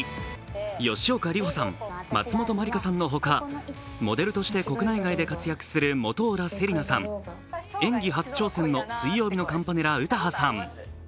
吉岡里帆さん、松本まりかさんのほか、モデルとして国内外で活躍するモトーラ世理奈さん、演技初挑戦の水曜日のカンパネラ詩羽さん。